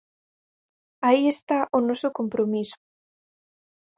Aí está o noso compromiso.